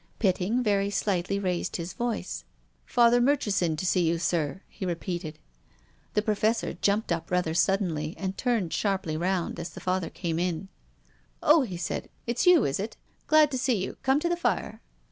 Pitting very slightly raised his voice. "Father Murchison to see you, sir," he re peated. The Professor jumped up rather suddenly and turned sharply round as the I 'athcr came in. " Oh," he said. " It's you, is it ? Glad to sec you. Come to the fire."